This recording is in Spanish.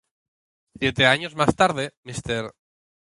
Siete años más tarde Mr.